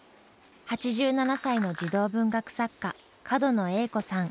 ８７歳の児童文学作家角野栄子さん。